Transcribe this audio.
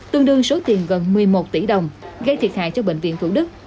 tương đương số tiền gần một mươi một tỷ đồng gây thiệt hại cho bệnh viện thủ đức